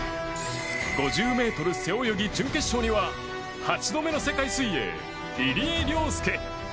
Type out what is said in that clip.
５０ｍ背泳ぎ準決勝には８度目の世界水泳、入江陵介！